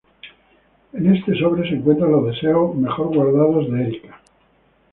En este sobre se encuentran los deseos mejor guardados de Erika.